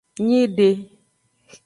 Nyide.